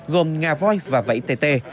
gồm ngà voi và vẫy tê tê